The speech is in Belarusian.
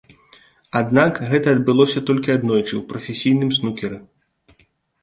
Аднак, гэта адбылося толькі аднойчы ў прафесійным снукеры.